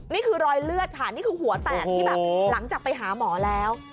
นี่คือรอยเลือดนี่คือหัวแตกหลังจากไปหาหมอแล้ว